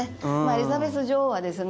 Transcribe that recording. エリザベス女王はですね